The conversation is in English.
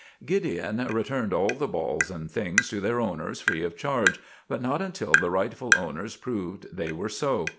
Gideon returned all the balls and things to their owners free of charge, but not until the rightful owners proved they were so.